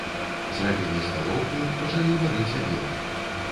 Зрабілі сталоўку, пачалі варыць абеды.